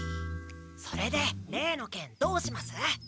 それで例の件どうします？